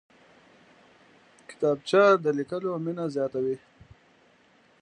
کتابچه د لیکلو مینه زیاتوي